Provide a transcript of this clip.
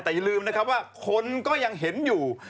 แต่อย่าลืมนะครับว่าคนก็ยังเห็นอยู่